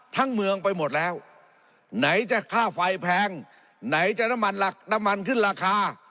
ทั้งเมืองไปหมดแล้วไหนจะค่าไฟแพงไหนจะน้ำมันหลักน้ำมันขึ้นราคา